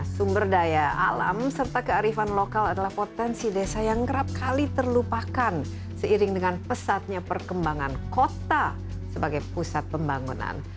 sumber daya alam serta kearifan lokal adalah potensi desa yang kerap kali terlupakan seiring dengan pesatnya perkembangan kota sebagai pusat pembangunan